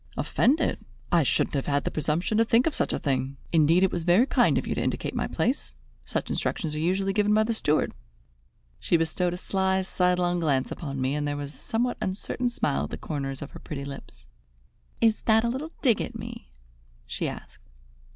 "Offended? I shouldn't have had the presumption to think of such a thing. Indeed, it was very kind of you to indicate my place. Such instructions are usually given by the steward." She bestowed a sly, sidelong glance upon me, and there was a somewhat uncertain smile at the corners of her pretty lips. "Is that a little dig at me?" she asked.